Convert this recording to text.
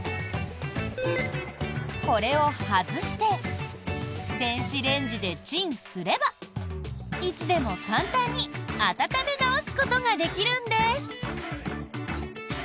これを外して電子レンジでチンすればいつでも簡単に温め直すことができるんです。